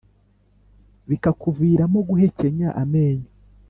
bikakuviramo guhekenya amenyo.